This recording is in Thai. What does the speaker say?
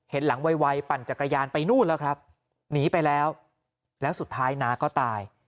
หลังไวปั่นจักรยานไปนู่นแล้วครับหนีไปแล้วแล้วสุดท้ายน้าก็ตาย